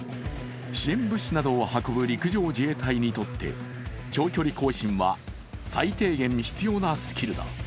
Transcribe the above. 支援物資などを運ぶ陸上自衛隊にとって長距離行進は最低限必要なスキルだ。